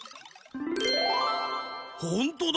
ほんとだ。